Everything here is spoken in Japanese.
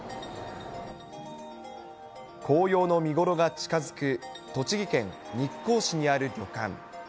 紅葉の見頃が近づく栃木県日光市にある旅館。